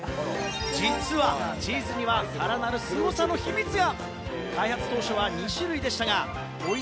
実はチーズにはさらなるすごさの秘密が。